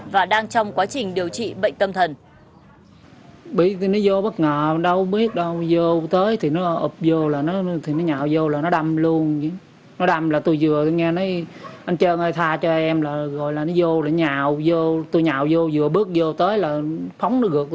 và đang trong quá trình điều trị bệnh tâm thần